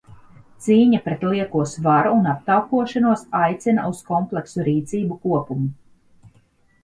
Cīņa pret lieko svaru un aptaukošanos aicina uz kompleksu rīcību kopumu.